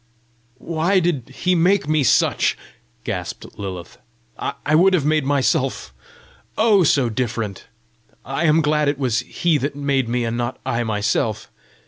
"Why did he make me such?" gasped Lilith. "I would have made myself oh, so different! I am glad it was he that made me and not I myself!